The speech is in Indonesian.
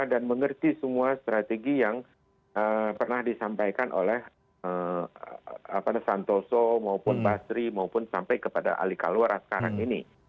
dan mengerti semua strategi yang pernah disampaikan oleh santoso maupun basri maupun sampai kepada ali kalora sekarang ini